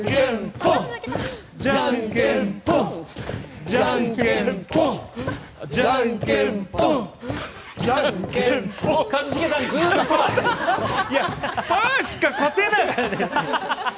何これ、パーしか勝てない。